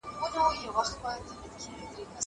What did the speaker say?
زه اجازه لرم چي امادګي ونيسم.